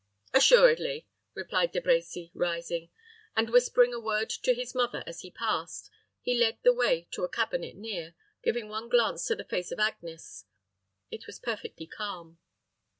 "Assuredly," replied De Brecy, rising; and whispering a word to his mother as he passed, he led the way to a cabinet near, giving one glance to the face of Agnes. It was perfectly calm.